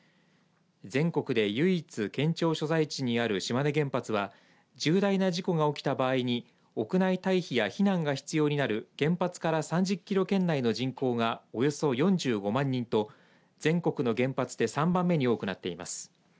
全国で唯一、県庁所在地にある島根原発は重大な事故が起きた場合に屋内退避や避難が必要になる原発から３０キロ圏内の人口がおよそ４５万人と全国の原発で３番目に多くなっています。